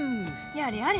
やれやれ。